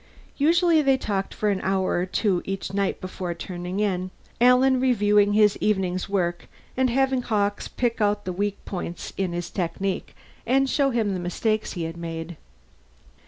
Usually they talked for an hour or two each night before turning in, Alan reviewing his evening's work and having Hawkes pick out the weak points in his technique and show him the mistakes he had made.